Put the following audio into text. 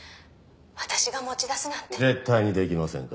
「私が持ち出すなんて」絶対にできませんか？